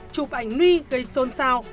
chụp ảnh nuy gây xôn xao